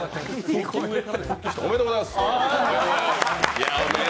おめでとうございます！